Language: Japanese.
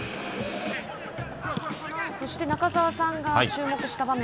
そして中澤さんが注目した場面